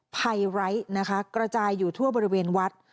ภัยไร้นะคะกระจายอยู่ทั่วบริเวณวัด